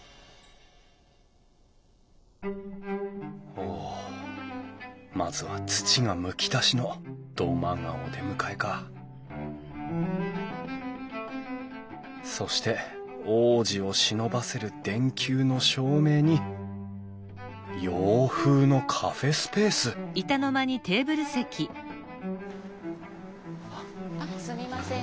おおまずは土がむき出しの土間がお出迎えかそして往時をしのばせる電球の照明に洋風のカフェスペースあっすみません